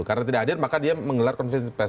karena tidak hadir maka dia menggelar konfirmasi pes